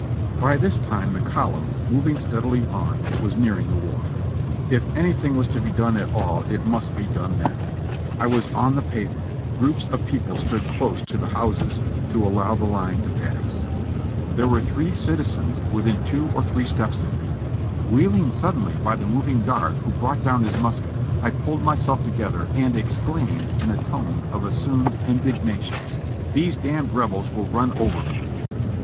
By this time the column, moving steadily on, was nearing the wharf. If anything was to be done at all it must be done then. I was on the pavement ; groups of people stood close to the houses to allows the line to pass. There were three citizens within ^(32 JOHNNY REB and BILLY YANK two or three steps of me. Wheeling suddenly by the moving guard, who brought down his musket, I pulled myselt together and exclaimed in a tone of assumed indignation : "These d Rebels will run over me!"